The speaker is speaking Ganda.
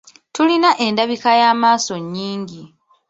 Tulina endabika y’amaaso nnyingi.